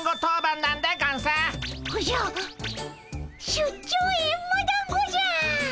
出張エンマだんごじゃ！